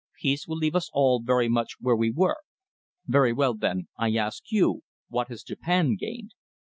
Peace will leave us all very much where we were. Very well, then, I ask you, what has Japan gained?